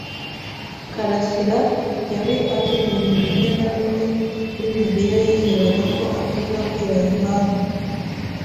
karasira yari azi ibintu bimwe na bimwe kuri Mariya yizeraga ko atazabwira Yohana.